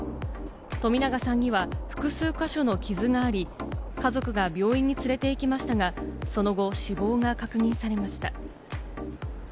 冨永さんには複数か所の傷があり、家族が病院に連れて行きましたが、その後死亡が確認されました。